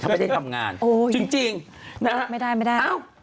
เขาไม่ได้ทำงานจริงไม่ได้ไม่ได้